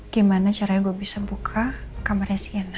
gimana caranya gue bisa buka kamarnya sienna